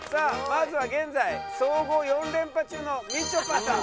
まずは現在総合４連覇中のみちょぱさん。